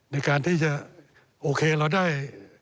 ในการที่จะโอเคเราได้